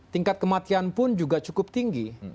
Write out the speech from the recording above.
tingkat kematian pun juga cukup tinggi